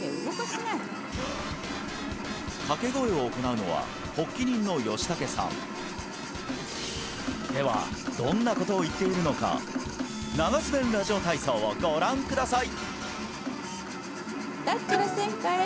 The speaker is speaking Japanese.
掛け声を行うのは発起人の吉武さんではどんなことを言っているのか長洲弁ラジオ体操をご覧ください！